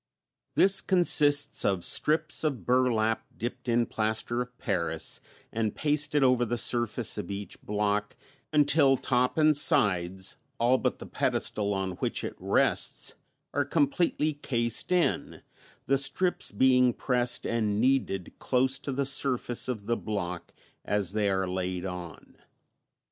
This consists of strips of burlap dipped in plaster of paris and pasted over the surface of each block until top and sides, all but the pedestal on which it rests, are completely cased in, the strips being pressed and kneaded close to the surface of the block as they are laid on.